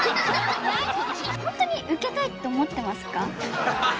本当にウケたいって思ってますか？